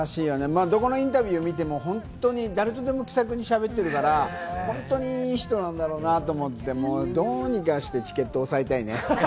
どこのインタビューを見ても、誰とでも気さくに喋ってるから本当にいい人なんだろうなと思って、どうにかしてチケットを押さえたいね。